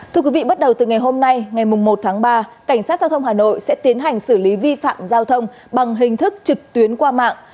thưa quý vị bắt đầu từ ngày hôm nay ngày một tháng ba cảnh sát giao thông hà nội sẽ tiến hành xử lý vi phạm giao thông bằng hình thức trực tuyến qua mạng